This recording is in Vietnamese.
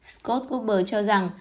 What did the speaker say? scott cooper cho rằng